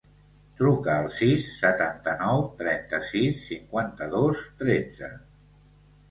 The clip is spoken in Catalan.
Truca al sis, setanta-nou, trenta-sis, cinquanta-dos, tretze.